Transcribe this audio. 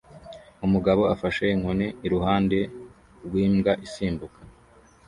Umugabo afashe inkoni iruhande rwimbwa isimbuka